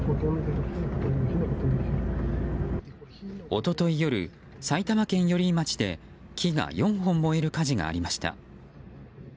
一昨日夜、埼玉県寄居町で木が４本燃える火事がありました。